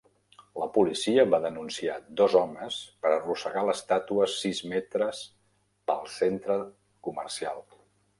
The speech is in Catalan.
La policia va denunciar dos homes per arrossegar l'estàtua sis metres pel centre comercial.